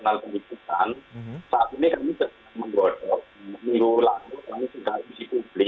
nah ini ada perbedaan tapi vcc saat ini sebenarnya ingin membantu supaya nanti ke depan ada protesi proses penutupan itu